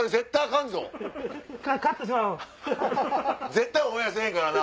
絶対オンエアせぇへんからな。